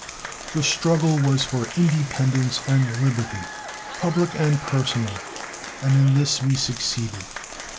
The struggle was for independence and liberty, public and personal, and in this we succeeded.